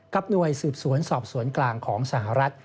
หน่วยสืบสวนสอบสวนกลางของสหรัฐ